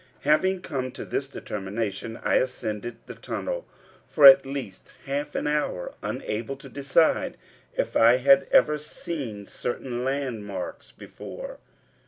Having come to this determination I ascended the tunnel for at least half an hour, unable to decide if I had ever seen certain landmarks before.